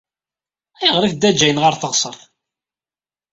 Ayɣer ay tedda Jane ɣer teɣsert?